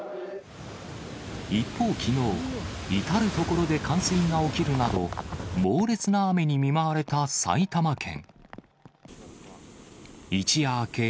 一方、きのう、至る所で冠水が起きるなど、猛烈な雨に見舞われた埼玉県。